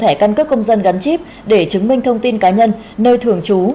thẻ căn cước công dân gắn chip để chứng minh thông tin cá nhân nơi thưởng chú